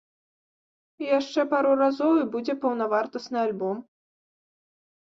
Яшчэ пару разоў і будзе паўнавартасны альбом!